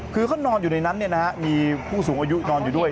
คือเขานอนอยู่ในนั้นมีผู้สูงอายุนอนอยู่ด้วย